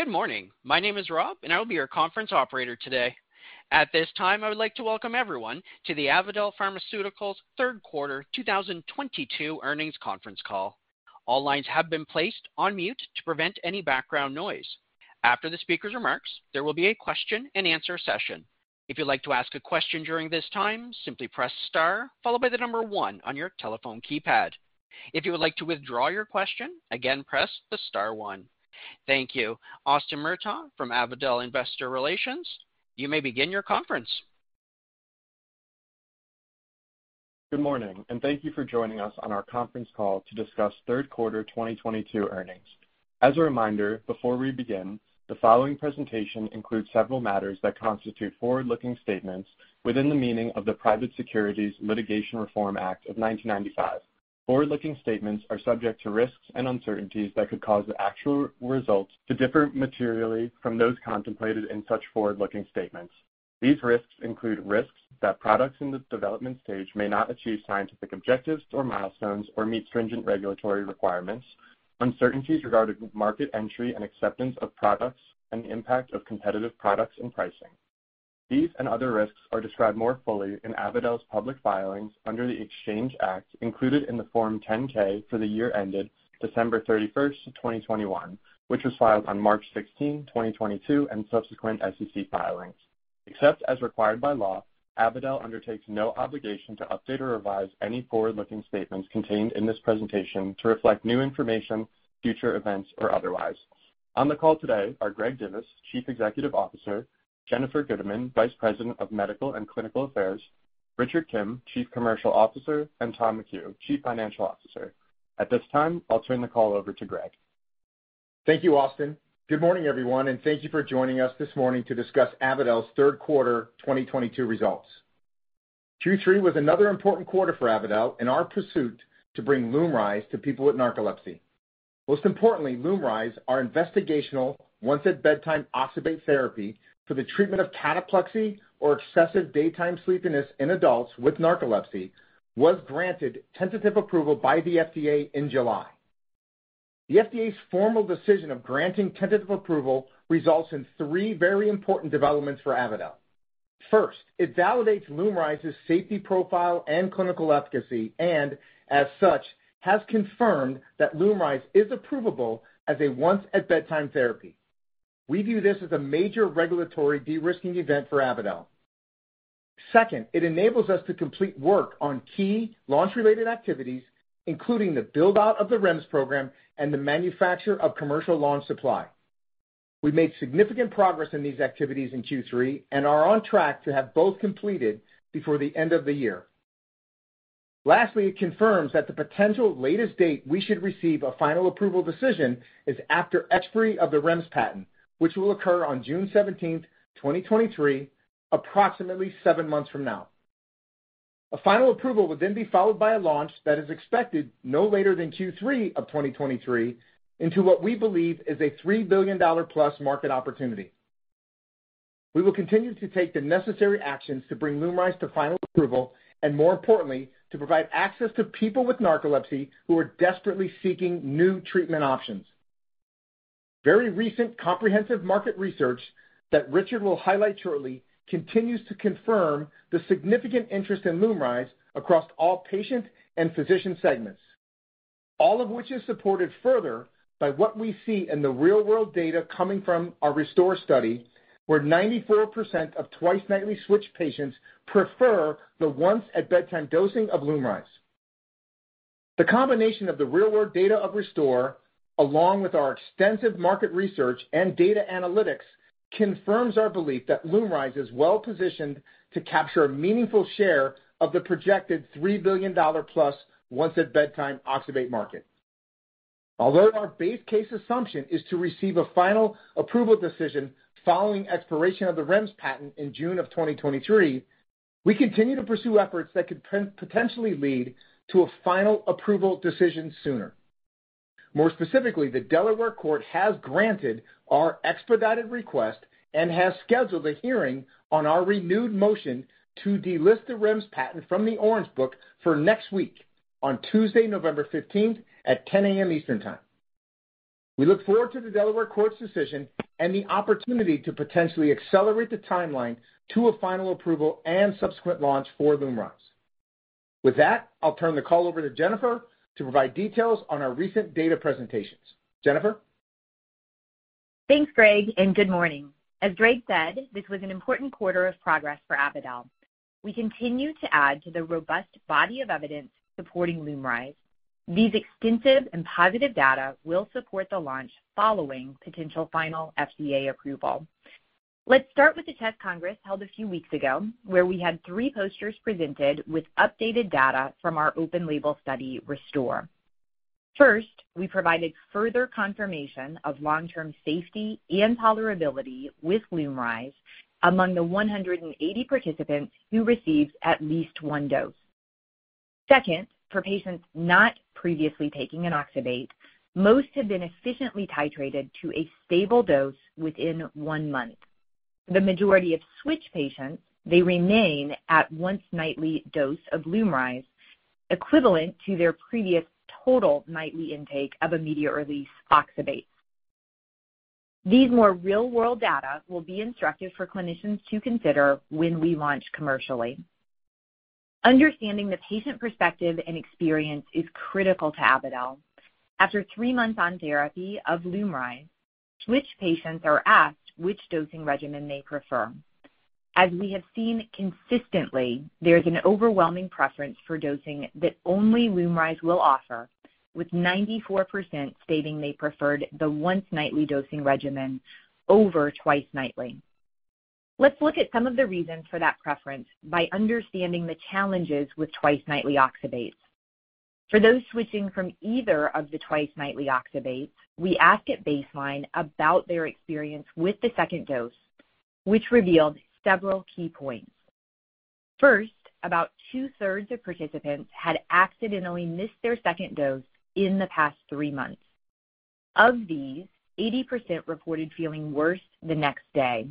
Good morning. My name is Rob, and I will be your conference operator today. At this time, I would like to welcome everyone to the Avadel Pharmaceuticals Third Quarter 2022 Earnings Conference Call. All lines have been placed on mute to prevent any background noise. After the speaker's remarks, there will be a question-and-answer session. If you'd like to ask a question during this time, simply press star followed by the number one on your telephone keypad. If you would like to withdraw your question, again, press the star one. Thank you. Austin Murtagh from Avadel Investor Relations, you may begin your conference. Good morning, and thank you for joining us on our conference call to discuss third quarter 2022 earnings. As a reminder, before we begin, the following presentation includes several matters that constitute forward-looking statements within the meaning of the Private Securities Litigation Reform Act of 1995. Forward-looking statements are subject to risks and uncertainties that could cause the actual results to differ materially from those contemplated in such forward-looking statements. These risks include risks that products in the development stage may not achieve scientific objectives or milestones or meet stringent regulatory requirements, uncertainties regarding market entry and acceptance of products, and the impact of competitive products and pricing. These and other risks are described more fully in Avadel's public filings under the Exchange Act included in the Form 10-K for the year ended December 31, 2021, which was filed on March 16, 2022, and subsequent SEC filings. Except as required by law, Avadel undertakes no obligation to update or revise any forward-looking statements contained in this presentation to reflect new information, future events, or otherwise. On the call today are Greg Divis, Chief Executive Officer, Jennifer Gudeman, Vice President of Medical and Clinical Affairs, Richard Kim, Chief Commercial Officer, and Tom McHugh, Chief Financial Officer. At this time, I'll turn the call over to Greg. Thank you, Austin. Good morning, everyone, and thank you for joining us this morning to discuss Avadel's third quarter 2022 results. Q3 was another important quarter for Avadel in our pursuit to bring LUMRYZ to people with narcolepsy. Most importantly, LUMRYZ, our investigational once-at-bedtime oxybate therapy for the treatment of cataplexy or excessive daytime sleepiness in adults with narcolepsy, was granted tentative approval by the FDA in July. The FDA's formal decision of granting tentative approval results in three very important developments for Avadel. First, it validates LUMRYZ's safety profile and clinical efficacy, and as such, has confirmed that LUMRYZ is approvable as a once-at-bedtime therapy. We view this as a major regulatory de-risking event for Avadel. Second, it enables us to complete work on key launch-related activities, including the build-out of the REMS program and the manufacture of commercial launch supply. We made significant progress in these activities in Q3 and are on track to have both completed before the end of the year. Lastly, it confirms that the potential latest date we should receive a final approval decision is after expiry of the REMS patent, which will occur on June seventeenth, 2023, approximately seven months from now. A final approval would then be followed by a launch that is expected no later than Q3 of 2023 into what we believe is a $3 billion+ market opportunity. We will continue to take the necessary actions to bring LUMRYZ to final approval and, more importantly, to provide access to people with narcolepsy who are desperately seeking new treatment options. Very recent comprehensive market research that Richard will highlight shortly continues to confirm the significant interest in LUMRYZ across all patient and physician segments. All of which is supported further by what we see in the real-world data coming from our RESTORE study, where 94% of twice-nightly switch patients prefer the once-at-bedtime dosing of LUMRYZ. The combination of the real-world data of RESTORE, along with our extensive market research and data analytics, confirms our belief that LUMRYZ is well-positioned to capture a meaningful share of the projected $3 billion+ once-at-bedtime oxybate market. Although our base case assumption is to receive a final approval decision following expiration of the REMS patent in June of 2023, we continue to pursue efforts that could potentially lead to a final approval decision sooner. More specifically, the Delaware Court has granted our expedited request and has scheduled a hearing on our renewed motion to delist the REMS patent from the Orange Book for next week on Tuesday, November 15 at 10:00 A.M. Eastern Time. We look forward to the Delaware Court's decision and the opportunity to potentially accelerate the timeline to a final approval and subsequent launch for LUMRYZ. With that, I'll turn the call over to Jennifer to provide details on our recent data presentations. Jennifer. Thanks, Greg, and good morning. As Greg said, this was an important quarter of progress for Avadel. We continue to add to the robust body of evidence supporting LUMRYZ. These extensive and positive data will support the launch following potential final FDA approval. Let's start with the CHEST Congress held a few weeks ago, where we had three posters presented with updated data from our open-label study, RESTORE. First, we provided further confirmation of long-term safety and tolerability with LUMRYZ among the 180 participants who received at least one dose. Second, for patients not previously taking an oxybate, most have been efficiently titrated to a stable dose within one month. The majority of switch patients, they remain at once nightly dose of LUMRYZ, equivalent to their previous total nightly intake of immediate-release oxybate. These more real-world data will be instructive for clinicians to consider when we launch commercially. Understanding the patient perspective and experience is critical to Avadel. After three months on therapy of LUMRYZ, switch patients are asked which dosing regimen they prefer. As we have seen consistently, there is an overwhelming preference for dosing that only LUMRYZ will offer, with 94% stating they preferred the once nightly dosing regimen over twice nightly. Let's look at some of the reasons for that preference by understanding the challenges with twice nightly oxybates. For those switching from either of the twice nightly oxybates, we ask at baseline about their experience with the second dose, which revealed several key points. First, about 2/3 of participants had accidentally missed their second dose in the past three months. Of these, 80% reported feeling worse the next day.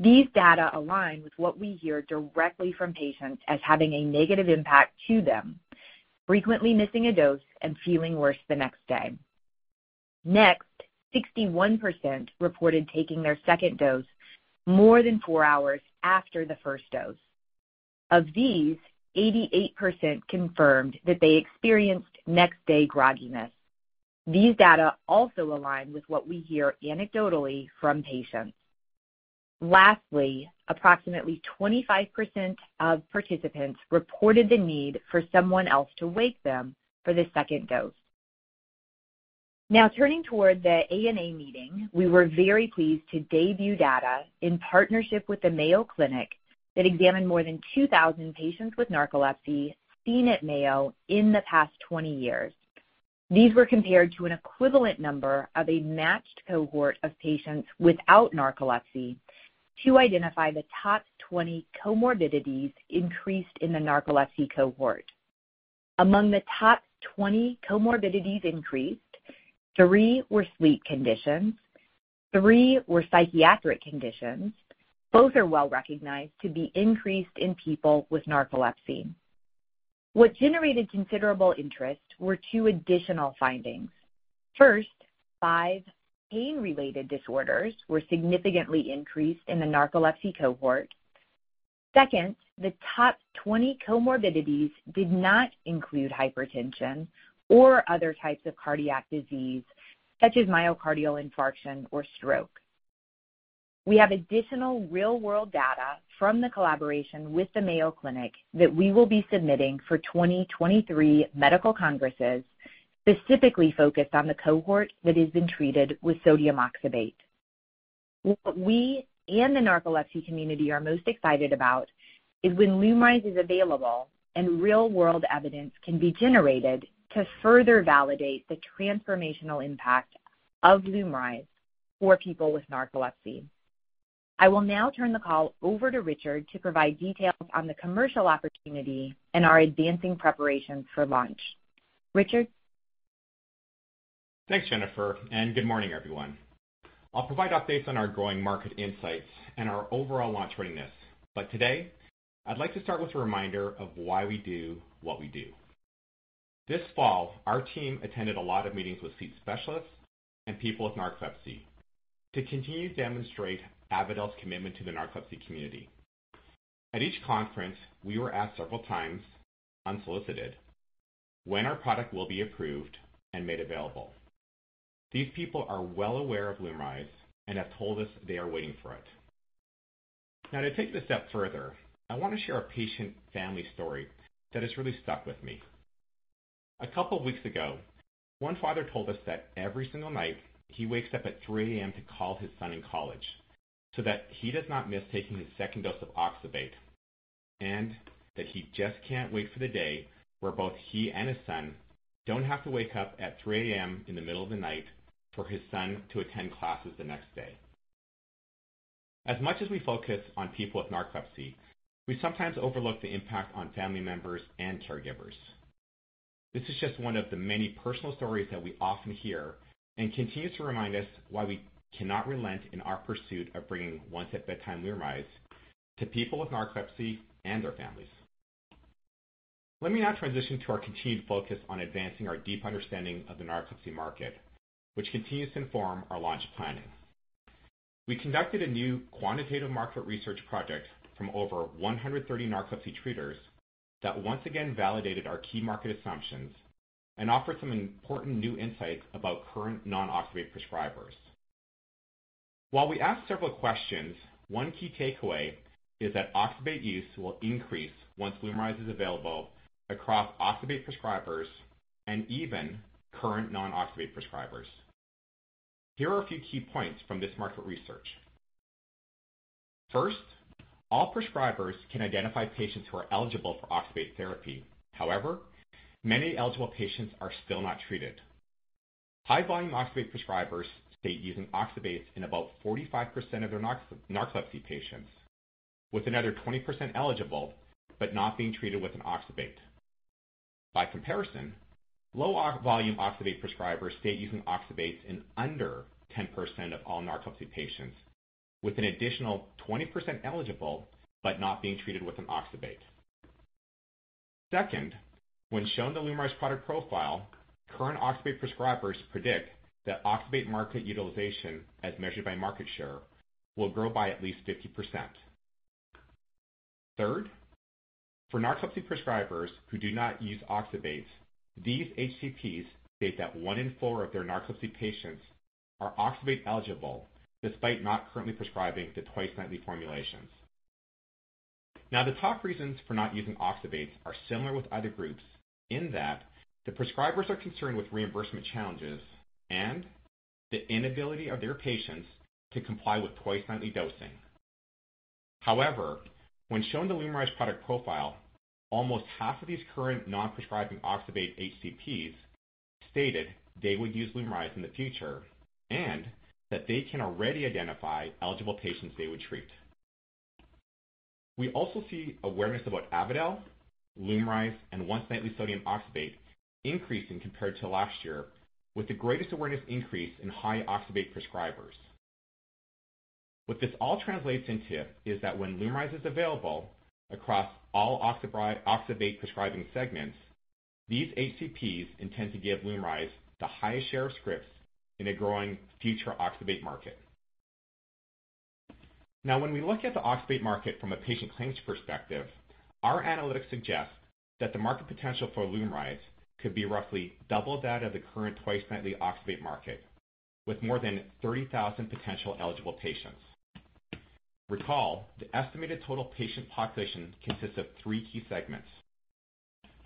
These data align with what we hear directly from patients as having a negative impact to them, frequently missing a dose and feeling worse the next day. Next, 61% reported taking their second dose more than four hours after the first dose. Of these, 88% confirmed that they experienced next-day grogginess. These data also align with what we hear anecdotally from patients. Lastly, approximately 25% of participants reported the need for someone else to wake them for the second dose. Now turning toward the ANA meeting, we were very pleased to debut data in partnership with the Mayo Clinic that examined more than 2,000 patients with narcolepsy seen at Mayo in the past 20 years. These were compared to an equivalent number of a matched cohort of patients without narcolepsy to identify the top 20 comorbidities increased in the narcolepsy cohort. Among the top 20 comorbidities increased, three were sleep conditions, three were psychiatric conditions. Both are well-recognized to be increased in people with narcolepsy. What generated considerable interest were two additional findings. First, five pain-related disorders were significantly increased in the narcolepsy cohort. Second, the top 20 comorbidities did not include hypertension or other types of cardiac disease, such as myocardial infarction or stroke. We have additional real-world data from the collaboration with the Mayo Clinic that we will be submitting for 2023 medical congresses, specifically focused on the cohort that has been treated with sodium oxybate. What we and the narcolepsy community are most excited about is when LUMRYZ is available and real-world evidence can be generated to further validate the transformational impact of LUMRYZ for people with narcolepsy. I will now turn the call over to Richard Kim to provide details on the commercial opportunity and our advancing preparations for launch. Richard Kim? Thanks, Jennifer, and good morning, everyone. I'll provide updates on our growing market insights and our overall launch readiness. Today, I'd like to start with a reminder of why we do what we do. This fall, our team attended a lot of meetings with sleep specialists and people with narcolepsy to continue to demonstrate Avadel's commitment to the narcolepsy community. At each conference, we were asked several times, unsolicited, when our product will be approved and made available. These people are well aware of LUMRYZ and have told us they are waiting for it. Now to take this a step further, I want to share a patient family story that has really stuck with me. A couple of weeks ago, one father told us that every single night he wakes up at 3:00 A.M. to call his son in college so that he does not miss taking his second dose of oxybate, and that he just can't wait for the day where both he and his son don't have to wake up at 3:00 A.M. in the middle of the night for his son to attend classes the next day. As much as we focus on people with narcolepsy, we sometimes overlook the impact on family members and caregivers. This is just one of the many personal stories that we often hear and continues to remind us why we cannot relent in our pursuit of bringing once-at-bedtime LUMRYZ to people with narcolepsy and their families. Let me now transition to our continued focus on advancing our deep understanding of the narcolepsy market, which continues to inform our launch planning. We conducted a new quantitative market research project from over 130 narcolepsy treaters that once again validated our key market assumptions and offered some important new insights about current non-oxybate prescribers. While we asked several questions, one key takeaway is that oxybate use will increase once LUMRYZ is available across oxybate prescribers and even current non-oxybate prescribers. Here are a few key points from this market research. First, all prescribers can identify patients who are eligible for oxybate therapy. However, many eligible patients are still not treated. High-volume oxybate prescribers state using oxybates in about 45% of their narcolepsy patients, with another 20% eligible but not being treated with an oxybate. By comparison, low-volume oxybate prescribers state using oxybates in under 10% of all narcolepsy patients, with an additional 20% eligible but not being treated with an oxybate. Second, when shown the LUMRYZ product profile, current oxybate prescribers predict that oxybate market utilization, as measured by market share, will grow by at least 50%. Third, for narcolepsy prescribers who do not use oxybates, these HCPs state that 1/4 of their narcolepsy patients are oxybate-eligible despite not currently prescribing the twice-nightly formulations. Now, the top reasons for not using oxybates are similar with other groups in that the prescribers are concerned with reimbursement challenges and the inability of their patients to comply with twice-nightly dosing. However, when shown the LUMRYZ product profile, almost half of these current non-prescribing oxybate HCPs stated they would use LUMRYZ in the future and that they can already identify eligible patients they would treat. We also see awareness about Avadel, LUMRYZ, and once-nightly sodium oxybate increasing compared to last year, with the greatest awareness increase in high oxybate prescribers. What this all translates into is that when LUMRYZ is available across all oxybate prescribing segments, these HCPs intend to give LUMRYZ the highest share of scripts in a growing future oxybate market. Now, when we look at the oxybate market from a patient claims perspective, our analytics suggest that the market potential for LUMRYZ could be roughly double that of the current twice nightly oxybate market, with more than 3,000 potential eligible patients. Recall, the estimated total patient population consists of three key segments.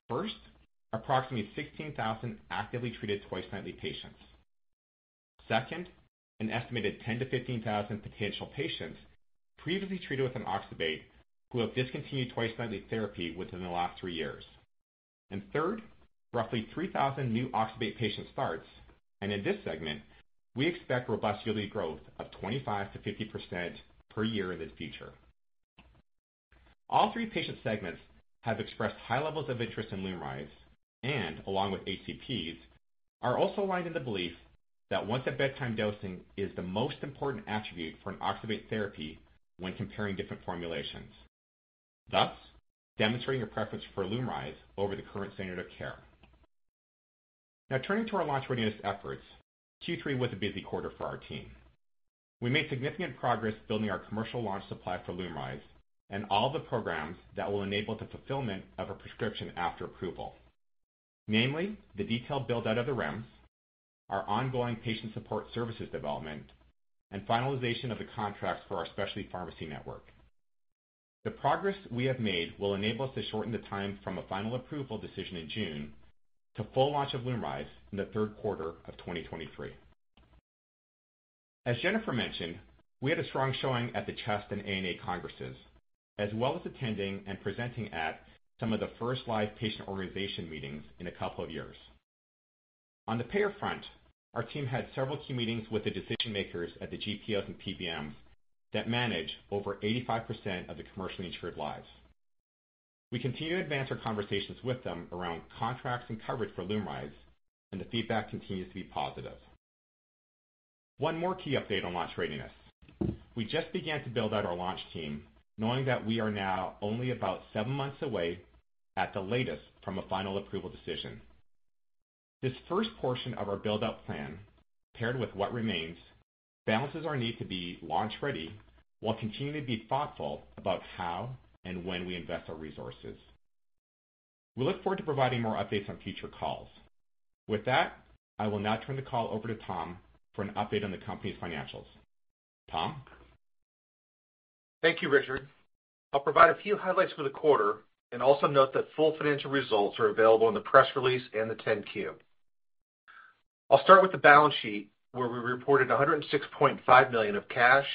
First, approximately 16,000 actively treated twice-nightly patients. Second, an estimated 10,000 to 15,000 potential patients previously treated with an oxybate who have discontinued twice-nightly therapy within the last three years. Third, roughly 3,000 new oxybate patient starts. In this segment, we expect robust yearly growth of 25%-50% per year in the future. All three patient segments have expressed high levels of interest in LUMRYZ and, along with HCPs, are also aligned in the belief that once-at-bedtime dosing is the most important attribute for an oxybate therapy when comparing different formulations, thus demonstrating a preference for LUMRYZ over the current standard of care. Now turning to our launch readiness efforts, Q3 was a busy quarter for our team. We made significant progress building our commercial launch supply for LUMRYZ and all the programs that will enable the fulfillment of a prescription after approval. Namely, the detailed build-out of the REMS, our ongoing patient support services development, and finalization of the contracts for our specialty pharmacy network. The progress we have made will enable us to shorten the time from a final approval decision in June to full launch of LUMRYZ in the third quarter of 2023. As Jennifer mentioned, we had a strong showing at the CHEST and ANA Congresses, as well as attending and presenting at some of the first live patient organization meetings in a couple of years. On the payer front, our team had several key meetings with the decision-makers at the GPOs and PBMs that manage over 85% of the commercially insured lives. We continue to advance our conversations with them around contracts and coverage for LUMRYZ, and the feedback continues to be positive. One more key update on launch readiness. We just began to build out our launch team, knowing that we are now only about 7 months away at the latest from a final approval decision. This first portion of our build-out plan, paired with what remains, balances our need to be launch ready while continuing to be thoughtful about how and when we invest our resources. We look forward to providing more updates on future calls. With that, I will now turn the call over to Tom for an update on the company's financials. Tom? Thank you, Richard. I'll provide a few highlights for the quarter and also note that full financial results are available in the press release and the Form 10-Q. I'll start with the balance sheet, where we reported $106.5 million of cash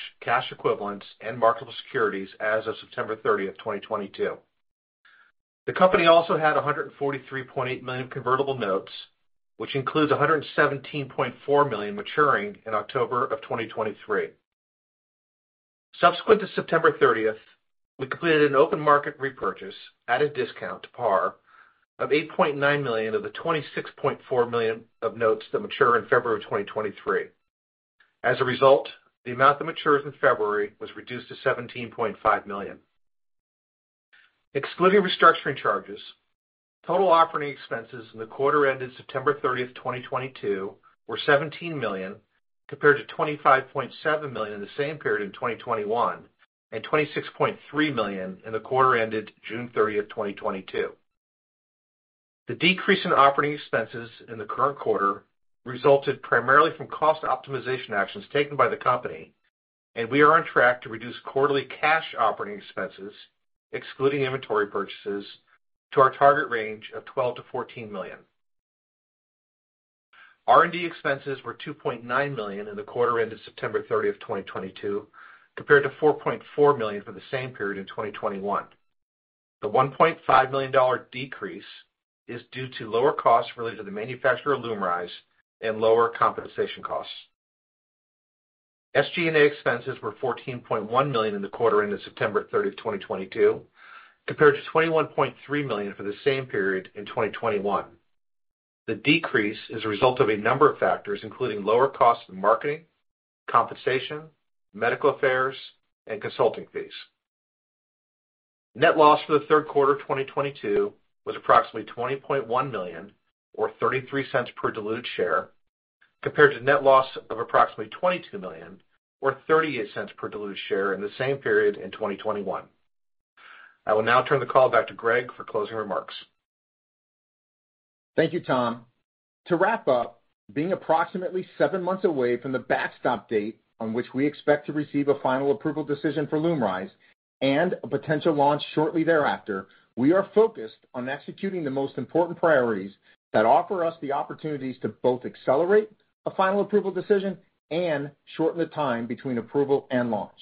equivalents, and marketable securities as of September 30, 2022. The company also had $143.8 million convertible notes, which includes $117.4 million maturing in October 2023. Subsequent to September 30, we completed an open market repurchase at a discount to par of $8.9 million of the $26.4 million of notes that mature in February 2023. As a result, the amount that matures in February was reduced to $17.5 million. Excluding restructuring charges, total operating expenses in the quarter ended September 30, 2022 were $17 million, compared to $25.7 million in the same period in 2021 and $26.3 million in the quarter ended June 30, 2022. The decrease in operating expenses in the current quarter resulted primarily from cost optimization actions taken by the company, and we are on track to reduce quarterly cash operating expenses, excluding inventory purchases, to our target range of $12 million-$14 million. R&D expenses were $2.9 million in the quarter ended September 30, 2022, compared to $4.4 million for the same period in 2021. The $1.5 million decrease is due to lower costs related to the manufacture of LUMRYZ and lower compensation costs. SG&A expenses were $14.1 million in the quarter ending September 30, 2022, compared to $21.3 million for the same period in 2021. The decrease is a result of a number of factors, including lower costs in marketing, compensation, medical affairs, and consulting fees. Net loss for the third quarter of 2022 was approximately $20.1 million, or $0.33 per diluted share, compared to net loss of approximately $22 million or $0.38 per diluted share in the same period in 2021. I will now turn the call back to Greg for closing remarks. Thank you, Tom. To wrap up, being approximately seven months away from the backstop date on which we expect to receive a final approval decision for LUMRYZ and a potential launch shortly thereafter, we are focused on executing the most important priorities that offer us the opportunities to both accelerate a final approval decision and shorten the time between approval and launch.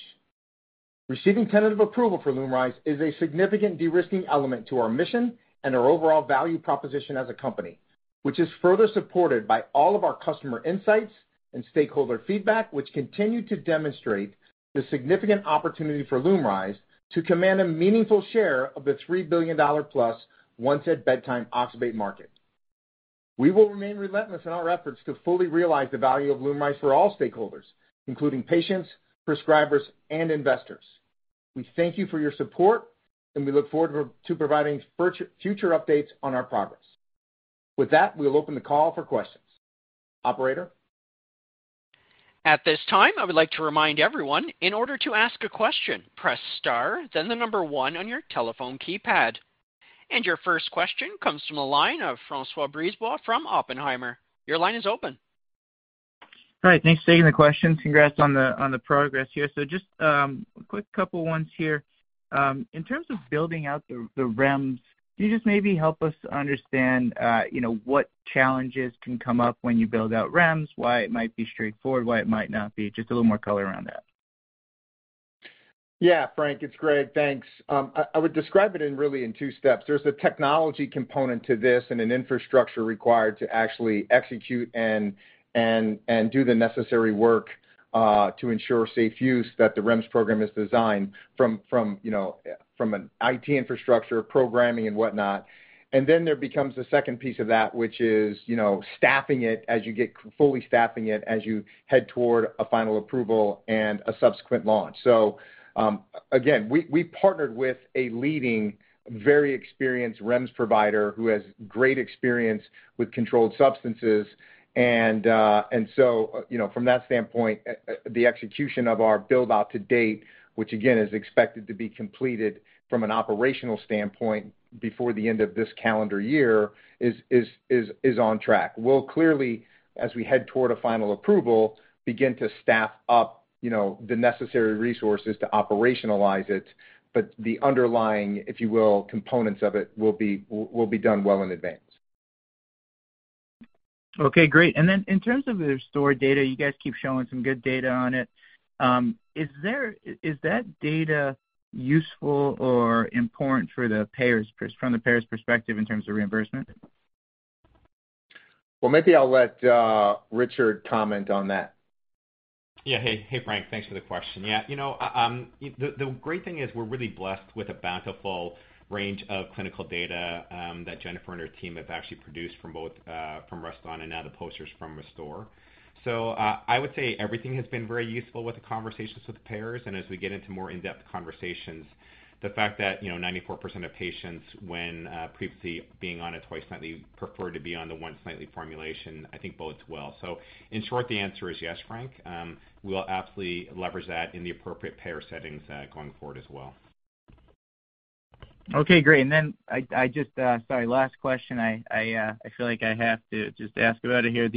Receiving tentative approval for LUMRYZ is a significant de-risking element to our mission and our overall value proposition as a company, which is further supported by all of our customer insights and stakeholder feedback, which continue to demonstrate the significant opportunity for LUMRYZ to command a meaningful share of the $3 billion+ once-a-bedtime oxybate market. We will remain relentless in our efforts to fully realize the value of LUMRYZ for all stakeholders, including patients, prescribers, and investors. We thank you for your support, and we look forward to providing future updates on our progress. With that, we'll open the call for questions. Operator? At this time, I would like to remind everyone, in order to ask a question, press star then the number one on your telephone keypad. Your first question comes from the line of François Brisebois from Oppenheimer. Your line is open. All right, thanks for taking the question. Congrats on the progress here. Just a quick couple ones here. In terms of building out the REMS, can you just maybe help us understand, you know, what challenges can come up when you build out REMS? Why it might be straightforward? Why it might not be? Just a little more color around that. Yeah, Frank, it's Greg. Thanks. I would describe it in really in two steps. There's a technology component to this and an infrastructure required to actually execute and do the necessary work to ensure safe use that the REMS program is designed from, you know, from an IT infrastructure, programming and whatnot. Then there becomes a second piece of that, which is, you know, fully staffing it as you head toward a final approval and a subsequent launch. Again, we partnered with a leading, very experienced REMS provider who has great experience with controlled substances. You know, from that standpoint, the execution of our build out to date, which again is expected to be completed from an operational standpoint before the end of this calendar year is on track. We'll clearly, as we head toward a final approval, begin to staff up, you know, the necessary resources to operationalize it. The underlying, if you will, components of it will be done well in advance. Okay, great. In terms of the RESTORE data, you guys keep showing some good data on it. Is that data useful or important for the payers from the payer's perspective in terms of reimbursement? Well, maybe I'll let Richard comment on that. Yeah. Hey, hey, Frank. Thanks for the question. Yeah, you know, the great thing is we're really blessed with a bountiful range of clinical data, that Jennifer and her team have actually produced from both REST-ON and now the posters from RESTORE. I would say everything has been very useful with the conversations with payers. As we get into more in-depth conversations, the fact that, you know, 94% of patients when previously being on a twice nightly prefer to be on the once nightly formulation, I think bodes well. In short, the answer is yes, Frank. We will absolutely leverage that in the appropriate payer settings, going forward as well. Okay, great. Then I just, sorry, last question, I feel like I have to just ask about it here.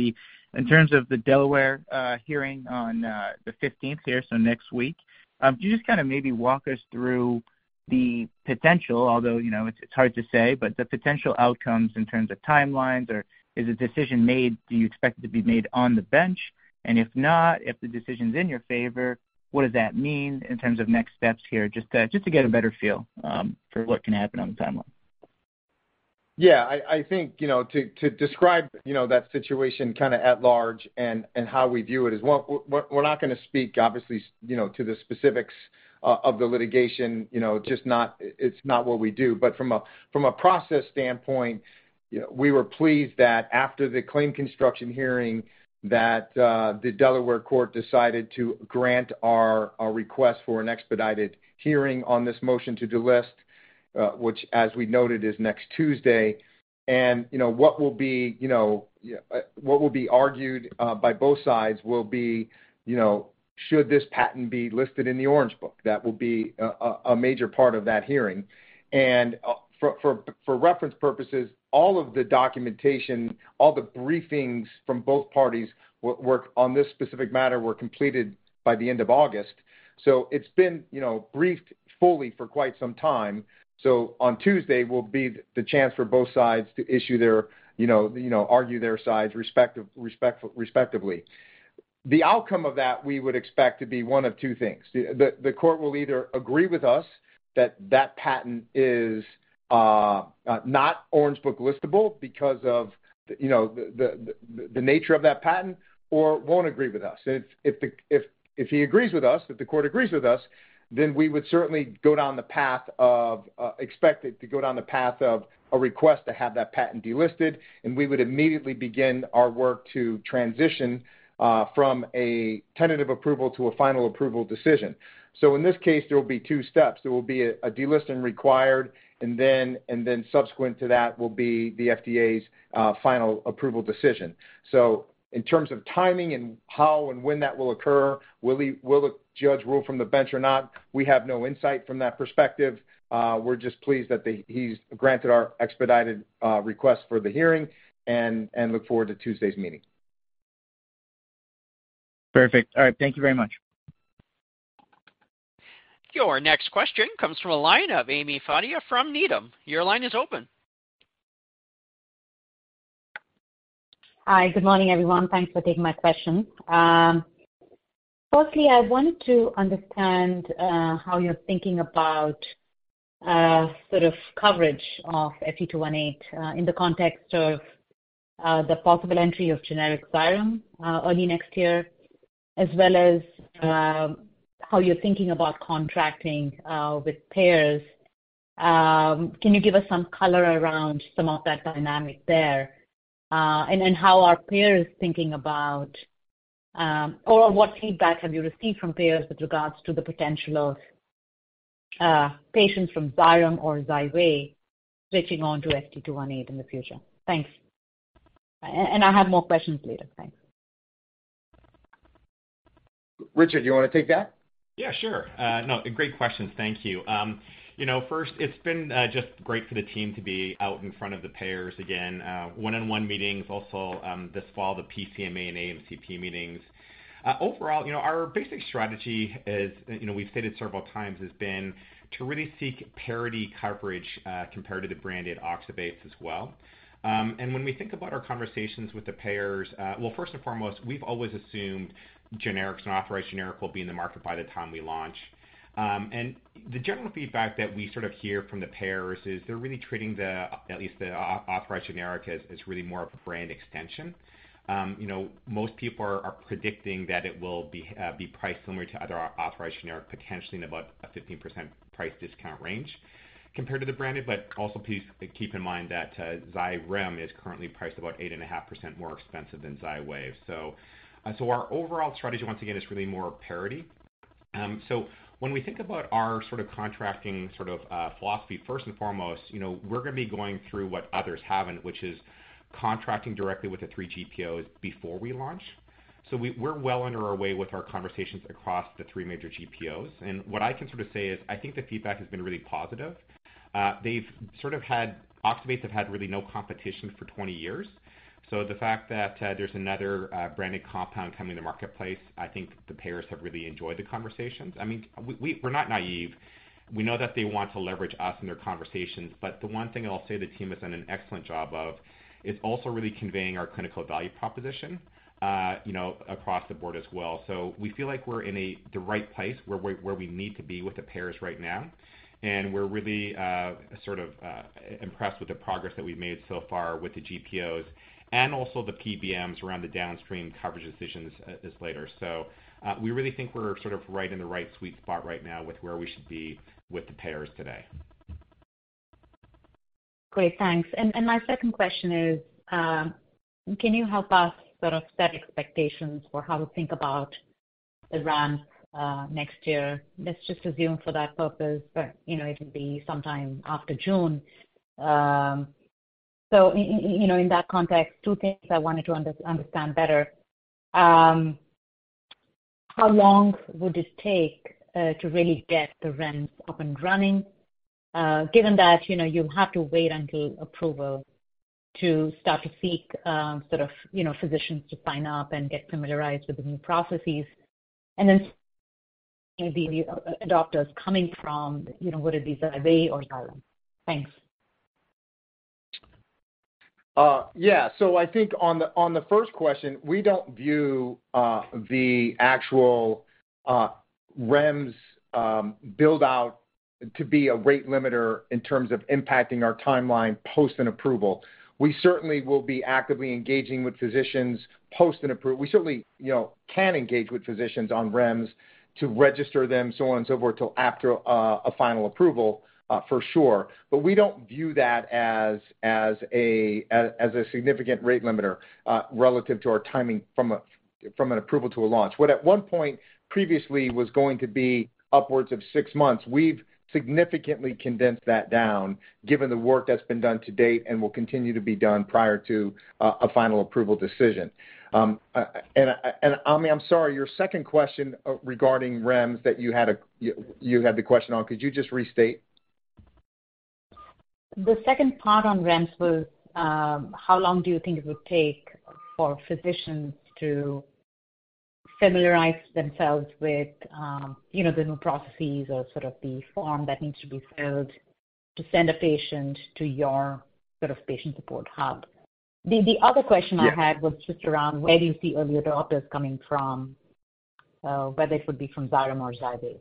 In terms of the Delaware hearing on the fifteenth here, so next week, can you just kinda maybe walk us through the potential, although, you know, it's hard to say, but the potential outcomes in terms of timelines, or is a decision made? Do you expect it to be made on the bench? If not, if the decision's in your favor, what does that mean in terms of next steps here? Just to get a better feel for what can happen on the timeline. Yeah, I think, you know, to describe, you know, that situation kinda at large and how we view it is one, we're not gonna speak obviously, you know, to the specifics of the litigation. You know, it's not what we do. But from a process standpoint, we were pleased that after the claim construction hearing that the Delaware Court decided to grant our request for an expedited hearing on this motion to delist, which as we noted, is next Tuesday. You know, what will be argued by both sides will be, you know, should this patent be listed in the Orange Book. That will be a major part of that hearing. For reference purposes, all of the documentation, all the briefings from both parties were on this specific matter were completed by the end of August. It's been, you know, briefed fully for quite some time. On Tuesday will be the chance for both sides to issue their, you know, argue their sides respectively. The outcome of that we would expect to be one of two things. The court will either agree with us that that patent is not Orange Book listable because of, you know, the nature of that patent or won't agree with us. If he agrees with us, if the court agrees with us, then we would certainly go down the path of a request to have that patent delisted, and we would immediately begin our work to transition from a tentative approval to a final approval decision. In this case, there will be two steps. There will be a delisting required, and then subsequent to that will be the FDA's final approval decision. In terms of timing and how and when that will occur, will the judge rule from the bench or not? We have no insight from that perspective. We're just pleased that he's granted our expedited request for the hearing and look forward to Tuesday's meeting. Perfect. All right. Thank you very much. Your next question comes from a line of Ami Fadia from Needham. Your line is open. Hi. Good morning, everyone. Thanks for taking my question. Firstly, I wanted to understand how you're thinking about sort of coverage of FT218 in the context of the possible entry of generic Xyrem early next year, as well as how you're thinking about contracting with payers. Can you give us some color around some of that dynamic there? How are payers thinking about or what feedback have you received from payers with regards to the potential of patients from Xyrem or Xywav switching on to FT218 in the future? Thanks. And I have more questions later. Thanks. Richard, you wanna take that? Yeah, sure. No, great questions. Thank you. You know, first, it's been just great for the team to be out in front of the payers again, one-on-one meetings, also this fall, the PCMA and AMCP meetings. Overall, you know, our basic strategy is, you know, we've stated several times, has been to really seek parity coverage compared to the branded oxybate as well. When we think about our conversations with the payers, well, first and foremost, we've always assumed generics and authorized generic will be in the market by the time we launch. The general feedback that we sort of hear from the payers is they're really treating the, at least the authorized generic as really more of a brand extension. You know, most people are predicting that it will be priced similar to other authorized generic, potentially in about a 15% price discount range compared to the branded. But also keep in mind that Xyrem is currently priced about 8.5% more expensive than Xywav. Our overall strategy, once again, is really more parity. When we think about our sort of contracting philosophy, first and foremost, you know, we're gonna be going through what others haven't, which is contracting directly with the three GPOs before we launch. We're well underway with our conversations across the three major GPOs. What I can sort of say is I think the feedback has been really positive. They've sort of had oxybate have had really no competition for 20 years. The fact that there's another branded compound coming to marketplace, I think the payers have really enjoyed the conversations. I mean, we're not naive. We know that they want to leverage us in their conversations. But the one thing I'll say the team has done an excellent job of is also really conveying our clinical value proposition, you know, across the board as well. We feel like we're in the right place where we need to be with the payers right now. We're really sort of impressed with the progress that we've made so far with the GPOs and also the PBMs around the downstream coverage decisions, as well. We really think we're sort of right in the right sweet spot right now with where we should be with the payers today. Great. Thanks. My second question is, can you help us sort of set expectations for how to think about the ramp, next year? Let's just assume for that purpose that, you know, it'll be sometime after June. You know, in that context, two things I wanted to understand better. How long would it take to really get the ramps up and running, given that, you know, you have to wait until approval to start to seek, sort of, you know, physicians to sign up and get familiarized with the new processes? And then maybe the adopters coming from, you know, whether it be Xywav or Xyrem. Thanks. Yeah. I think on the first question, we don't view the actual REMS build out to be a rate limiter in terms of impacting our timeline post an approval. We certainly will be actively engaging with physicians post an approval. We certainly, you know, can engage with physicians on REMS to register them so on and so forth till after a final approval, for sure. But we don't view that as a significant rate limiter relative to our timing from an approval to a launch. What at one point previously was going to be upwards of six months, we've significantly condensed that down given the work that's been done to date and will continue to be done prior to a final approval decision. Ami, I'm sorry, your second question regarding REMS that you had the question on. Could you just restate? The second part on REMS was how long do you think it would take for physicians to familiarize themselves with, you know, the new processes or sort of the form that needs to be filled to send a patient to your sort of patient support hub. The other question I had. Yeah. was just around where do you see earlier adopters coming from, whether it would be from Xyrem or Xywav?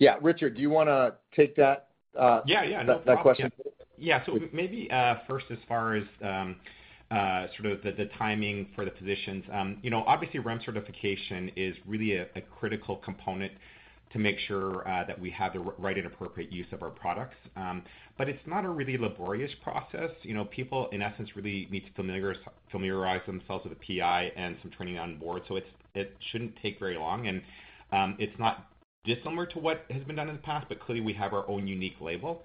Yeah. Richard, do you wanna take that? Yeah, yeah, no problem. that question? Yeah. Maybe first as far as sort of the timing for the physicians. You know, obviously REMS certification is really a critical component to make sure that we have the right and appropriate use of our products. It's not a really laborious process. You know, people in essence really need to familiarize themselves with the PI and some training on board, so it shouldn't take very long. It's not dissimilar to what has been done in the past, but clearly we have our own unique label.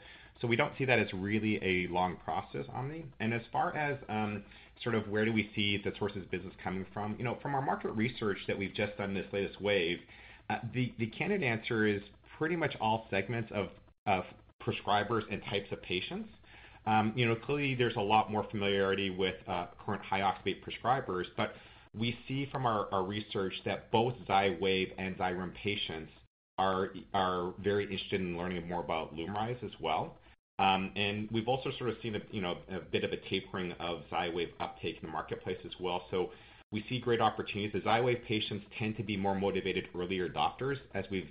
We don't see that as really a long process, Ami. As far as sort of where we see the sources of business coming from, you know, from our market research that we've just done this latest wave, the candid answer is pretty much all segments of prescribers and types of patients. You know, clearly there's a lot more familiarity with current oxybate prescribers. We see from our research that both Xywav and Xyrem patients are very interested in learning more about LUMRYZ as well. We've also sort of seen a, you know, a bit of a tapering of Xywav uptake in the marketplace as well. We see great opportunities. The Xywav patients tend to be more motivated early adopters, as we've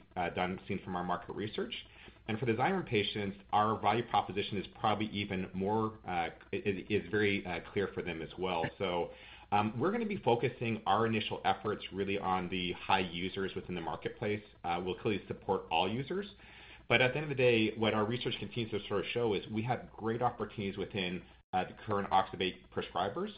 seen from our market research. For the Xyrem patients, our value proposition is probably even more, it's very clear for them as well. We're gonna be focusing our initial efforts really on the high users within the marketplace. We'll clearly support all users. But at the end of the day, what our research continues to sort of show is we have great opportunities within the current oxybate prescribers.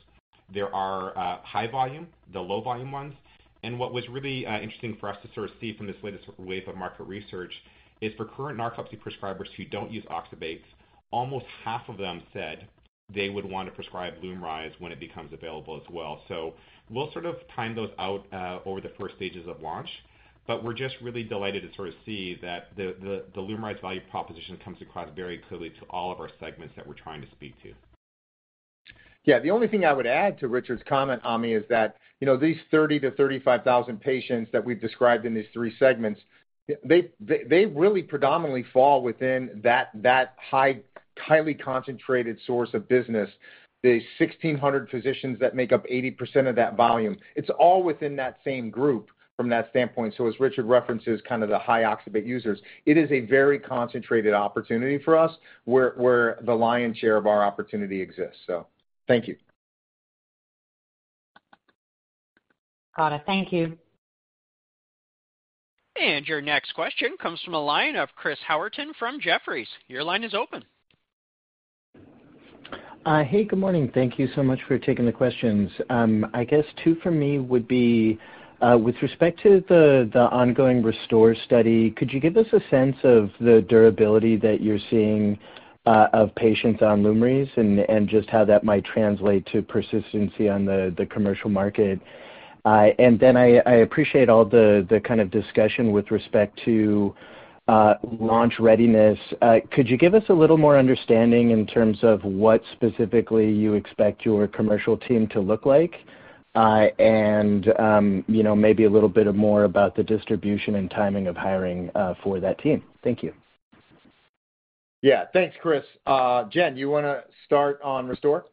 There are high volume, the low volume ones. What was really interesting for us to sort of see from this latest wave of market research is for current narcolepsy prescribers who don't use oxybates, almost half of them said they would wanna prescribe LUMRYZ when it becomes available as well. We'll sort of time those out over the first stages of launch. We're just really delighted to sort of see that the LUMRYZ value proposition comes across very clearly to all of our segments that we're trying to speak to. Yeah. The only thing I would add to Richard's comment, Ami, is that, you know, these 30,000-35,000 patients that we've described in these three segments, they really predominantly fall within that highly concentrated source of business. The 1,600 physicians that make up 80% of that volume, it's all within that same group from that standpoint. So as Richard references, kind of the high oxybate users, it is a very concentrated opportunity for us where the lion's share of our opportunity exists. So thank you. Got it. Thank you. Your next question comes from a line of Chris Howerton from Jefferies. Your line is open. Hey, good morning. Thank you so much for taking the questions. I guess two for me would be, with respect to the ongoing RESTORE study, could you give us a sense of the durability that you're seeing, of patients on LUMRYZ and just how that might translate to persistency on the commercial market? Then I appreciate all the kind of discussion with respect to launch readiness. Could you give us a little more understanding in terms of what specifically you expect your commercial team to look like? And you know, maybe a little bit more about the distribution and timing of hiring, for that team. Thank you. Yeah. Thanks, Chris. Jen, you wanna start on RESTORE?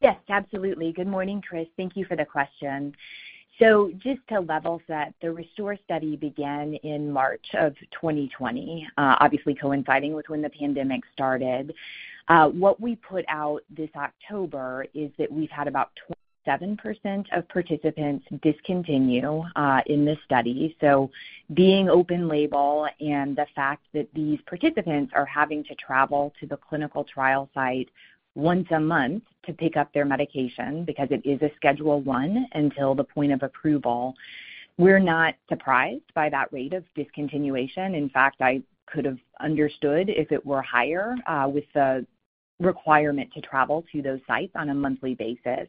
Yes, absolutely. Good morning, Chris. Thank you for the question. Just to level set, the RESTORE study began in March of 2020, obviously coinciding with when the pandemic started. What we put out this October is that we've had about 27% of participants discontinue in this study. Being open label and the fact that these participants are having to travel to the clinical trial site once a month to pick up their medication because it is a Schedule III until the point of approval, we're not surprised by that rate of discontinuation. In fact, I could have understood if it were higher, with the requirement to travel to those sites on a monthly basis.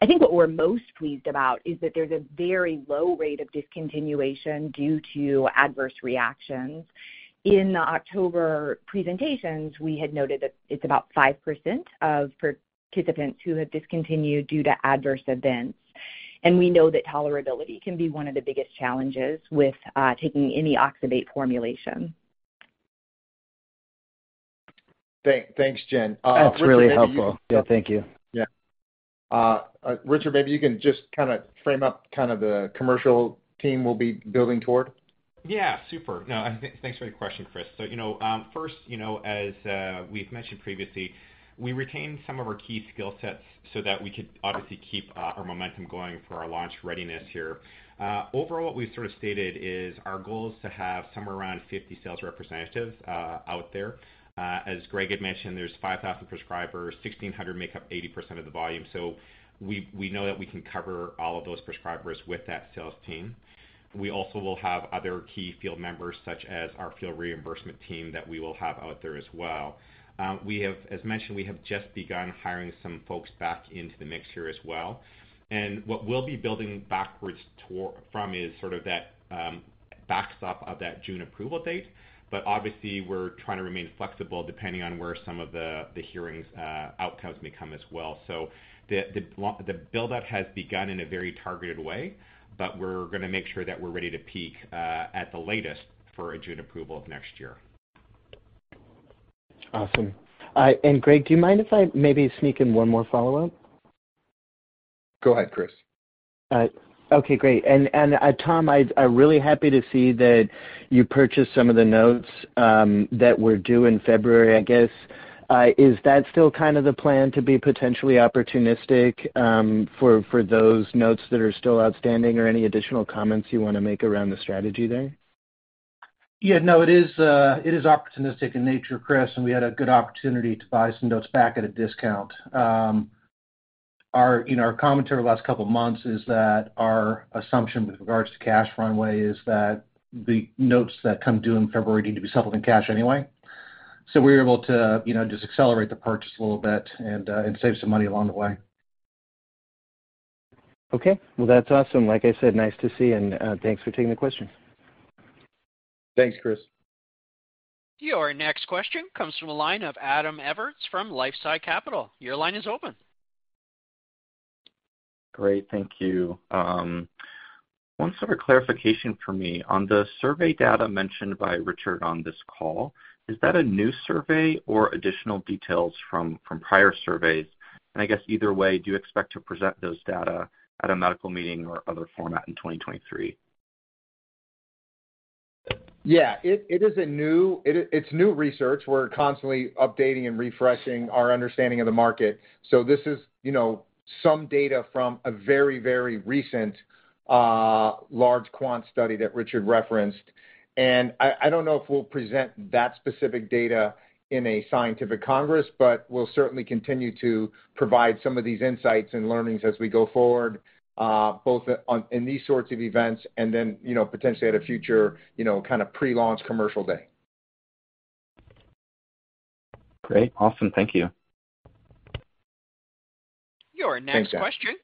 I think what we're most pleased about is that there's a very low rate of discontinuation due to adverse reactions. In the October presentations, we had noted that it's about 5% of participants who have discontinued due to adverse events. We know that tolerability can be one of the biggest challenges with taking any oxybate formulation. Thanks, Jen. Richard, maybe you- That's really helpful. Yeah, thank you. Yeah. Richard, maybe you can just kinda frame up kind of the commercial team we'll be building toward. Yeah, super. Thanks for the question, Chris. You know, first, you know, as we've mentioned previously, we retained some of our key skill sets so that we could obviously keep our momentum going for our launch readiness here. Overall, what we've sort of stated is our goal is to have somewhere around 50 sales representatives out there. As Greg had mentioned, there's 5,000 prescribers, 1,600 make up 80% of the volume. We know that we can cover all of those prescribers with that sales team. We also will have other key field members, such as our field reimbursement team, that we will have out there as well. As mentioned, we have just begun hiring some folks back into the mix here as well. What we'll be building backwards toward from is sort of that backstop of that June approval date. But obviously, we're trying to remain flexible depending on where some of the hearings outcomes may come as well. The buildup has begun in a very targeted way, but we're gonna make sure that we're ready to peak at the latest for a June approval of next year. Awesome. Greg, do you mind if I maybe sneak in one more follow-up? Go ahead, Chris. All right. Okay, great. Tom, I'm really happy to see that you purchased some of the notes that were due in February, I guess. Is that still kind of the plan to be potentially opportunistic for those notes that are still outstanding or any additional comments you wanna make around the strategy there? Yeah, no, it is opportunistic in nature, Chris, and we had a good opportunity to buy some notes back at a discount. Our commentary the last couple months is that our assumption with regards to cash runway is that the notes that come due in February need to be settled in cash anyway. We're able to, you know, just accelerate the purchase a little bit and save some money along the way. Okay. Well, that's awesome. Like I said, nice to see and, thanks for taking the question. Thanks, Chris. Your next question comes from the line of Adam Evertts from LifeSci Capital. Your line is open. Great. Thank you. One sort of clarification for me. On the survey data mentioned by Richard on this call, is that a new survey or additional details from prior surveys? I guess either way, do you expect to present those data at a medical meeting or other format in 2023? Yeah. It is new research. We're constantly updating and refreshing our understanding of the market. This is, you know, some data from a very, very recent large quant study that Richard referenced. I don't know if we'll present that specific data in a scientific congress, but we'll certainly continue to provide some of these insights and learnings as we go forward, both in these sorts of events and then, you know, potentially at a future, you know, kind of pre-launch commercial day. Great. Awesome. Thank you. Your next question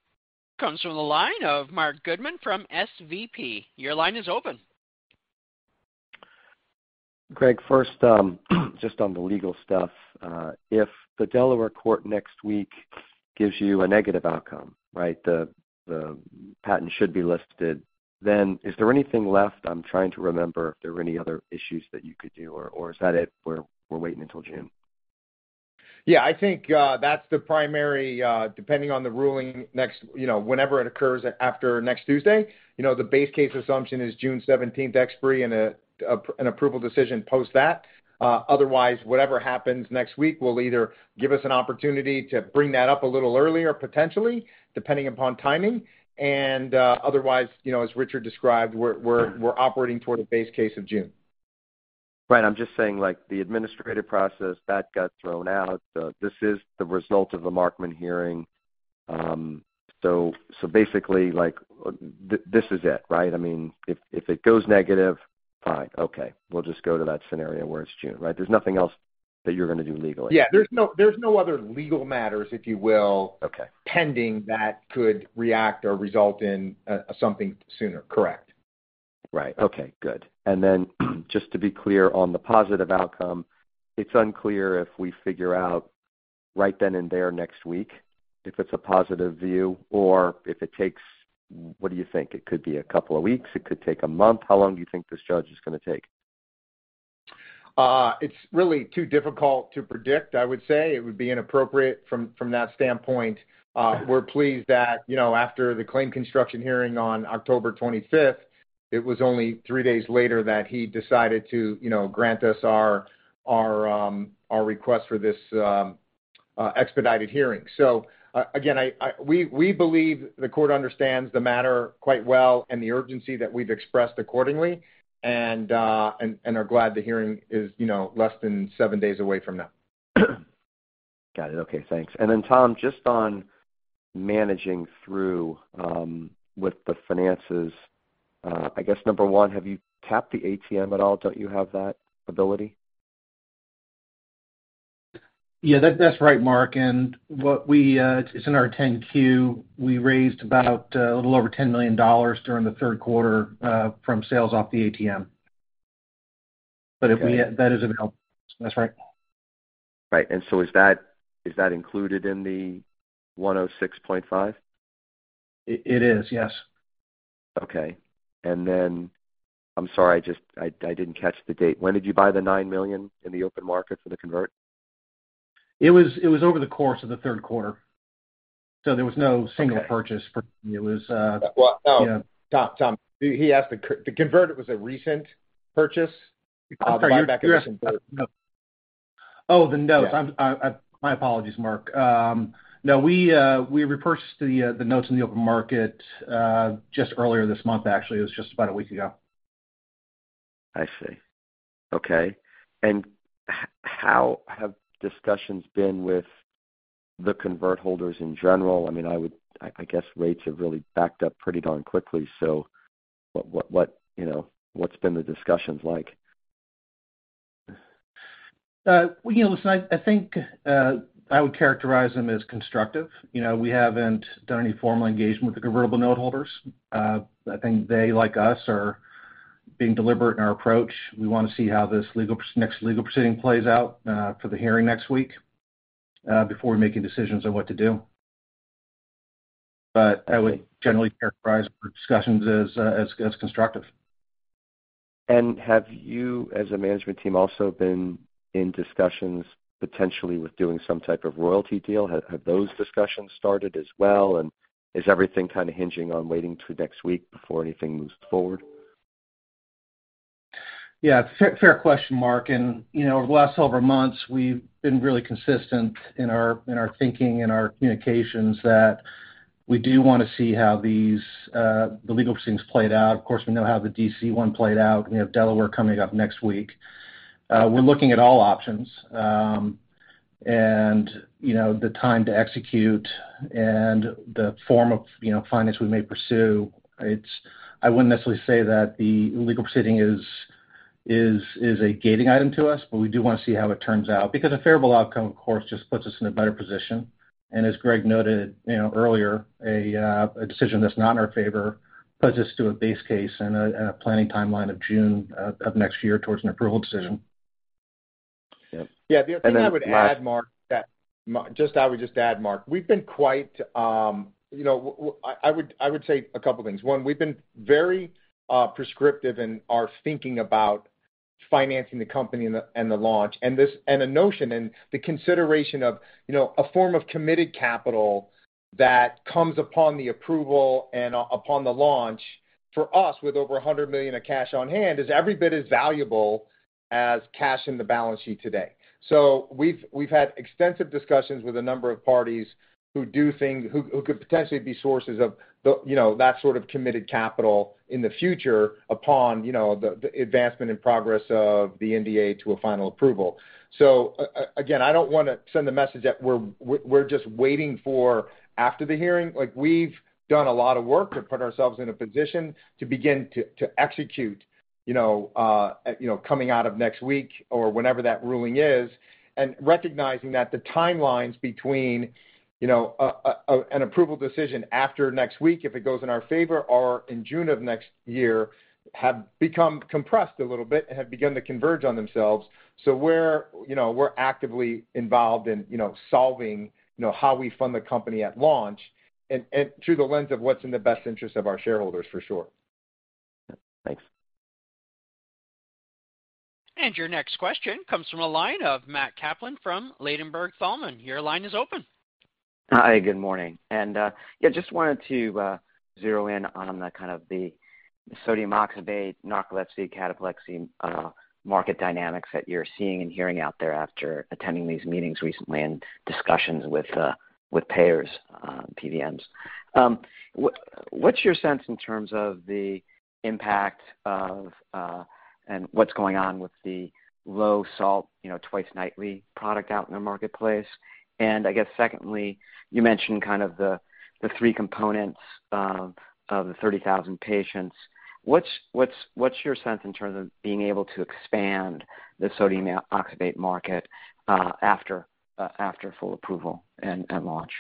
comes from the line of Marc Goodman from SVB. Your line is open. Greg, first, just on the legal stuff, if the Delaware Court next week gives you a negative outcome, right, the patent should be listed, then is there anything left? I'm trying to remember if there were any other issues that you could do or is that it, we're waiting until June. Yeah. I think that's the primary depending on the ruling next, you know, whenever it occurs after next Tuesday, you know, the base case assumption is June 17 expiry and an approval decision post that. Otherwise, whatever happens next week will either give us an opportunity to bring that up a little earlier, potentially, depending upon timing. Otherwise, you know, as Richard described, we're operating toward a base case of June. Right. I'm just saying, like, the administrative process that got thrown out, this is the result of the Markman hearing. Basically like this is it, right? I mean, if it goes negative, fine. Okay. We'll just go to that scenario where it's June, right? There's nothing else that you're gonna do legally. Yeah. There's no other legal matters, if you will, pending that could react or result in, something sooner. Correct. Right. Okay, good. Just to be clear on the positive outcome, it's unclear if we figure out right then and there next week if it's a positive view or if it takes. What do you think? It could be a couple of weeks, it could take a month. How long do you think this judge is gonna take? It's really too difficult to predict, I would say. It would be inappropriate from that standpoint. We're pleased that, you know, after the claim construction hearing on October 25th, it was only three days later that he decided to, you know, grant us our request for this expedited hearing. Again, we believe the court understands the matter quite well and the urgency that we've expressed accordingly and are glad the hearing is, you know, less than seven days away from now. Got it. Okay, thanks. Tom, just on managing through with the finances, I guess number one, have you tapped the ATM at all? Don't you have that ability? Yeah, that's right, Mark. It's in our Form 10-Q. We raised about a little over $10 million during the third quarter from sales off the ATM. If we- Okay. That is available. That's right. Right. Is that included in the $106.5? It is, yes. Okay. I'm sorry, I didn't catch the date. When did you buy the 9 million in the open market for the convert? It was over the course of the third quarter. There was no single purchase for. Well, Tom. He asked the convertible was a recent purchase. The buyback is Oh, the notes. My apologies, Marc. No, we repurchased the notes in the open market just earlier this month, actually. It was just about a week ago. I see. Okay. How have discussions been with the convert holders in general? I mean, I guess rates have really backed up pretty darn quickly, so what, you know, what's been the discussions like? Well, you know, listen, I think I would characterize them as constructive. You know, we haven't done any formal engagement with the convertible note holders. I think they, like us, are being deliberate in our approach. We wanna see how this next legal proceeding plays out, for the hearing next week, before making decisions on what to do. I would generally characterize our discussions as constructive. Have you as a management team also been in discussions potentially with doing some type of royalty deal? Have those discussions started as well? Is everything kind of hinging on waiting till next week before anything moves forward? Yeah, fair question, Marc. You know, over the last several months, we've been really consistent in our thinking and our communications that we do wanna see how these, the legal proceedings played out. Of course, we know how the D.C. one played out. We have Delaware coming up next week. We're looking at all options. You know, the time to execute and the form of finance we may pursue. I wouldn't necessarily say that the legal proceeding is a gating item to us, but we do wanna see how it turns out because a favorable outcome, of course, just puts us in a better position. As Greg noted, you know, earlier, a decision that's not in our favor puts us to a base case and a planning timeline of June of next year towards an approval decision. Yep. Yeah. The other thing I would add, Marc, is we've been quite, you know, I would say a couple things. One, we've been very prescriptive in our thinking about financing the company and the launch. The notion and the consideration of, you know, a form of committed capital that comes upon the approval and upon the launch for us with over $100 million of cash on hand is every bit as valuable as cash in the balance sheet today. We've had extensive discussions with a number of parties who could potentially be sources of, you know, that sort of committed capital in the future upon, you know, the advancement and progress of the NDA to a final approval. Again, I don't wanna send the message that we're just waiting for after the hearing. Like, we've done a lot of work to put ourselves in a position to begin to execute, you know, coming out of next week or whenever that ruling is, and recognizing that the timelines between, you know, an approval decision after next week, if it goes in our favor or in June of next year, have become compressed a little bit and have begun to converge on themselves. We're, you know, actively involved in, you know, solving, you know, how we fund the company at launch and through the lens of what's in the best interest of our shareholders for sure. Thanks. Your next question comes from a line of Matthew Kaplan from Ladenburg Thalmann. Your line is open. Hi, good morning. Yeah, just wanted to zero in on the kind of the sodium oxybate, narcolepsy, cataplexy market dynamics that you're seeing and hearing out there after attending these meetings recently and discussions with payers, PBMs. What's your sense in terms of the impact of and what's going on with the low salt, you know, twice-nightly product out in the marketplace? I guess secondly, you mentioned kind of the three components of the 30,000 patients. What's your sense in terms of being able to expand the sodium oxybate market after full approval and launch?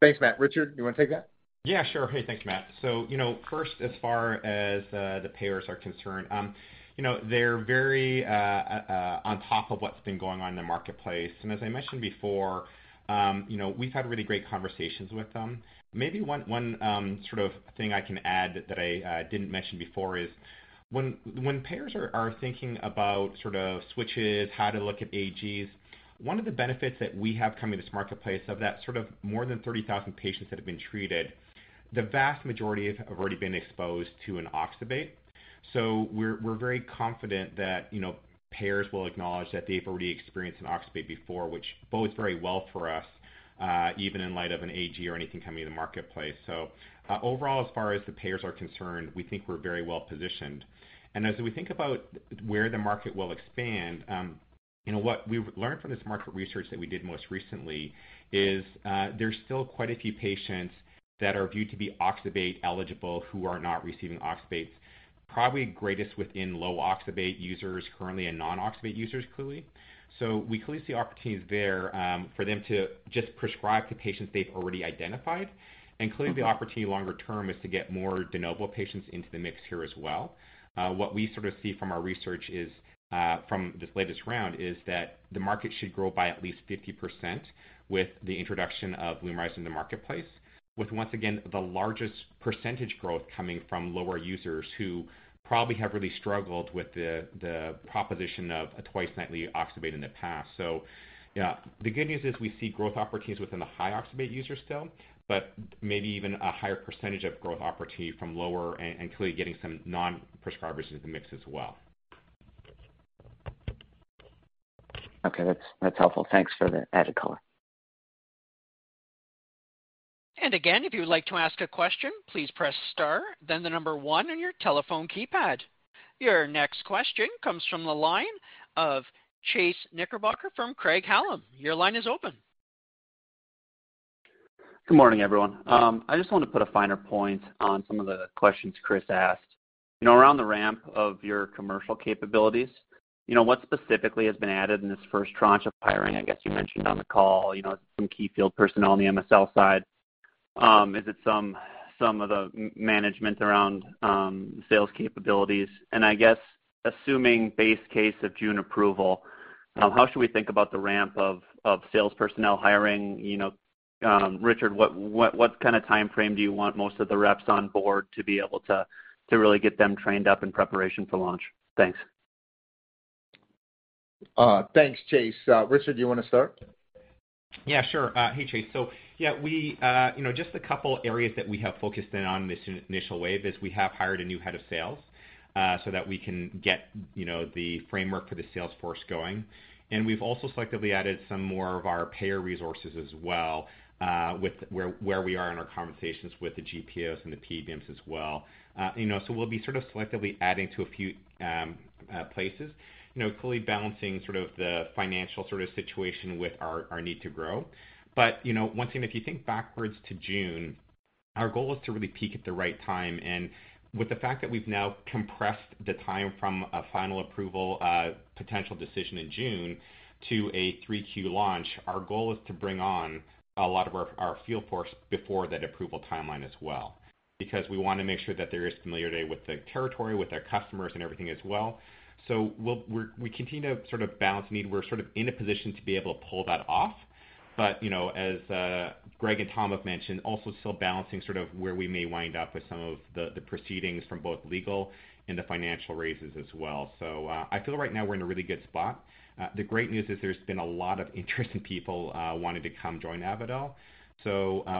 Thanks, Matt. Richard, you wanna take that? Yeah, sure. Hey, thanks, Matt. You know, first, as far as the payers are concerned, you know, they're very on top of what's been going on in the marketplace. As I mentioned before, you know, we've had really great conversations with them. Maybe one sort of thing I can add that I didn't mention before is when payers are thinking about sort of switches, how to look at AGs, one of the benefits that we have coming to this marketplace is that sort of more than 30,000 patients that have been treated, the vast majority have already been exposed to an oxybate. We're very confident that, you know, payers will acknowledge that they've already experienced an oxybate before, which bodes very well for us, even in light of an AG or anything coming in the marketplace. Overall, as far as the payers are concerned, we think we're very well-positioned. As we think about where the market will expand, and what we've learned from this market research that we did most recently is, there's still quite a few patients that are viewed to be oxybate eligible who are not receiving oxybates, probably greatest within low oxybate users currently and non-oxybate users clearly. We clearly see opportunities there, for them to just prescribe to patients they've already identified. Clearly the opportunity longer term is to get more de novo patients into the mix here as well. What we sort of see from our research is, from this latest round, is that the market should grow by at least 50% with the introduction of LUMRYZ in the marketplace, with once again, the largest percentage growth coming from lower users who probably have really struggled with the proposition of a twice nightly oxybate in the past. Yeah, the good news is we see growth opportunities within the high oxybate users still, but maybe even a higher percentage of growth opportunity from lower and clearly getting some non-prescribers in the mix as well. Okay. That's helpful. Thanks for the added color. Again, if you would like to ask a question, please press star then the number one on your telephone keypad. Your next question comes from the line of Chase Knickerbocker from Craig-Hallum. Your line is open. Good morning, everyone. I just wanna put a finer point on some of the questions Chris asked. You know, around the ramp of your commercial capabilities, you know, what specifically has been added in this first tranche of hiring? I guess you mentioned on the call, you know, some key field personnel on the MSL side. Is it some of the management around sales capabilities? I guess assuming base case of June approval, how should we think about the ramp of sales personnel hiring? You know, Richard, what kind of timeframe do you want most of the reps on board to be able to really get them trained up in preparation for launch? Thanks. Thanks, Chase. Richard, do you wanna start? Yeah, sure. Hey, Chase. So, yeah, we, you know, just a couple areas that we have focused in on this initial wave is we have hired a new head of sales, so that we can get, you know, the framework for the sales force going. We've also selectively added some more of our payer resources as well, with where we are in our conversations with the GPOs and the PBMs as well. You know, we'll be sort of selectively adding to a few places, you know, clearly balancing sort of the financial sort of situation with our need to grow. You know, once again, if you think backwards to June, our goal is to really peak at the right time. With the fact that we've now compressed the time from a final approval, potential decision in June to a 3Q launch, our goal is to bring on a lot of our field force before that approval timeline as well, because we wanna make sure that there is familiarity with the territory, with our customers and everything as well. We'll continue to sort of balance need. We're sort of in a position to be able to pull that off. You know, as Greg and Tom have mentioned, also still balancing sort of where we may wind up with some of the proceedings from both legal and the financial raises as well. I feel right now we're in a really good spot. The great news is there's been a lot of interesting people wanting to come join Avadel.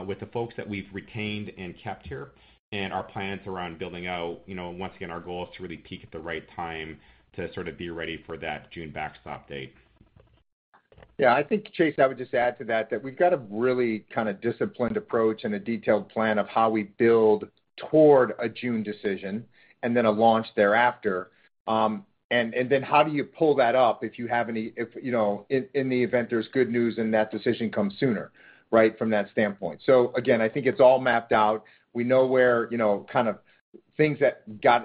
With the folks that we've retained and kept here and our plans around building out, you know, once again, our goal is to really peak at the right time to sort of be ready for that June backstop date. Yeah, I think, Chase, I would just add to that we've got a really kinda disciplined approach and a detailed plan of how we build toward a June decision and then a launch thereafter. Then how do you pull that up if you have any, you know, in the event there's good news and that decision comes sooner, right, from that standpoint. Again, I think it's all mapped out. We know where, you know, kind of things that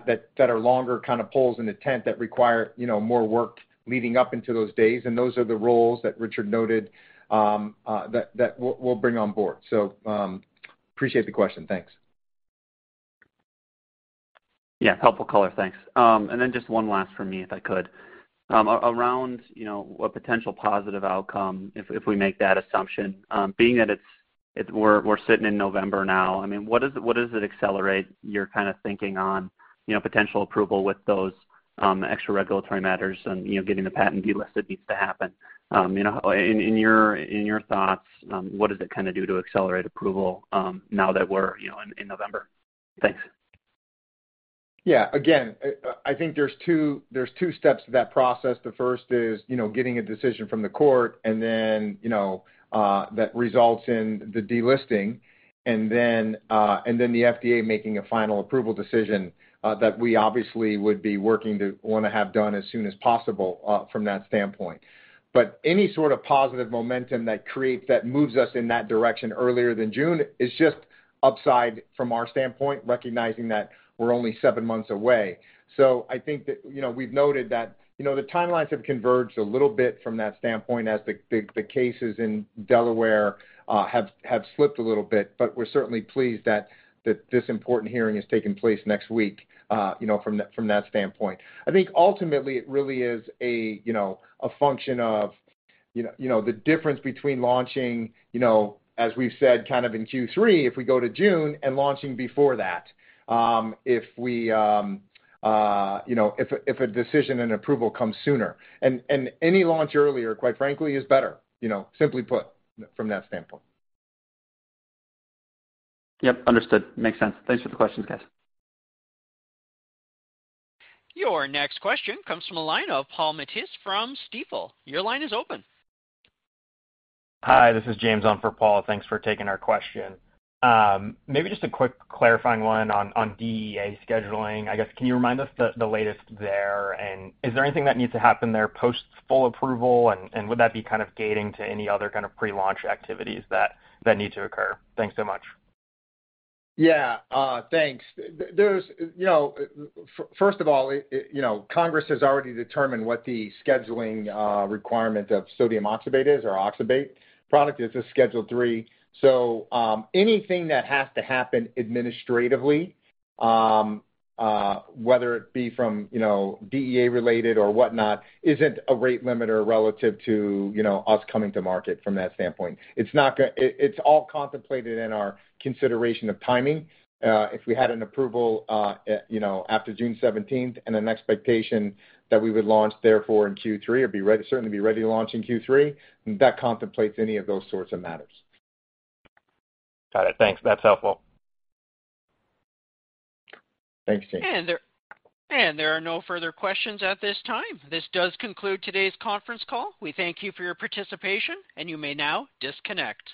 that are longer kind of poles in the tent that require, you know, more work leading up into those days, and those are the roles that Richard noted, that we'll bring on board. Appreciate the question. Thanks. Yeah, helpful color. Thanks. Just one last from me, if I could. Around, you know, a potential positive outcome if we make that assumption. We're sitting in November now, I mean, what does it accelerate your kind of thinking on, you know, potential approval with those extra regulatory matters and, you know, getting the patent delisted needs to happen? You know, in your thoughts, what does it kinda do to accelerate approval, now that we're, you know, in November? Thanks. Yeah. Again, I think there's two steps to that process. The first is, you know, getting a decision from the court, and then, you know, that results in the delisting, and then the FDA making a final approval decision that we obviously would be working to wanna have done as soon as possible, from that standpoint. But any sort of positive momentum that creates, that moves us in that direction earlier than June is just upside from our standpoint, recognizing that we're only seven months away. I think that, you know, we've noted that, you know, the timelines have converged a little bit from that standpoint as the cases in Delaware have slipped a little bit, but we're certainly pleased that this important hearing is taking place next week, you know, from that standpoint. I think ultimately it really is a, you know, a function of, you know, the difference between launching, you know, as we've said kind of in Q3, if we go to June, and launching before that, if a decision and approval comes sooner. Any launch earlier, quite frankly, is better, you know, simply put from that standpoint. Yep, understood. Makes sense. Thanks for the questions, guys. Your next question comes from the line of Paul Matteis from Stifel. Your line is open. Hi, this is James on for Paul. Thanks for taking our question. Maybe just a quick clarifying one on DEA scheduling. I guess, can you remind us the latest there, and is there anything that needs to happen there post full approval, and would that be kind of gating to any other kind of pre-launch activities that need to occur? Thanks so much. Yeah. Thanks. There's, you know, first of all, you know, Congress has already determined what the scheduling requirement of sodium oxybate is or oxybate product is a Schedule III. So, anything that has to happen administratively, whether it be from, you know, DEA related or whatnot, isn't a rate limiter relative to, you know, us coming to market from that standpoint. It's not. It's all contemplated in our consideration of timing. If we had an approval, you know, after June seventeenth and an expectation that we would launch therefore in Q3 or be ready to launch in Q3, that contemplates any of those sorts of matters. Got it. Thanks. That's helpful. Thanks, James. There are no further questions at this time. This does conclude today's conference call. We thank you for your participation, and you may now disconnect.